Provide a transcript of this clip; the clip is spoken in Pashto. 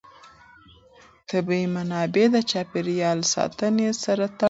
طبیعي منابع د چاپېر یال ساتنې سره تړاو لري.